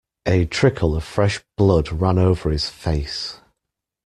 A trickle of fresh blood ran over his face.